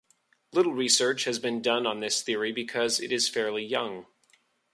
Little research has been done on this theory because it is fairly young.